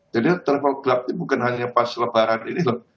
jadi travel club ini bukan hanya pas lebaran ini loh